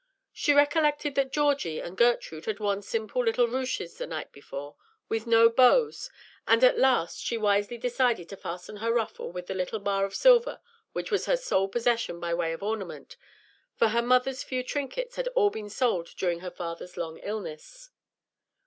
She recollected that Georgie and Gertrude had worn simple little ruches the night before, with no bows; and at last she wisely decided to fasten her ruffle with the little bar of silver which was her sole possession by way of ornament, for her mother's few trinkets had all been sold during her father's long illness.